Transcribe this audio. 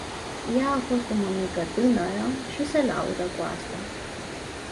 Ea a fost o mămică tânără și se laudă cu asta.